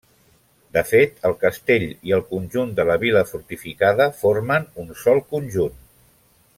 De fet, el castell i el conjunt de la vila fortificada formen un sol conjunt.